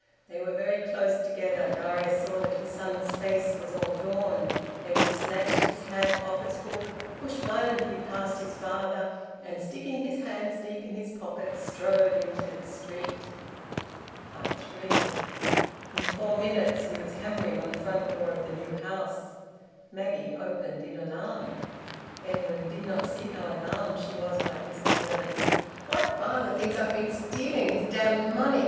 They were very close together. Darius saw that his son's face was all drawn. Edwin snatched his hat off its hook, pushed violently past his father and, sticking his hands deep in his pockets, strode into the street. THREE. In four minutes he was hammering on the front door of the new house. Maggie opened, in alarm. Edwin did not see how alarmed she was by his appearance. "What " "Father thinks I've been stealing his damned money!"